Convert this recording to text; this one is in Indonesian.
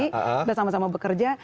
kita sama sama bekerja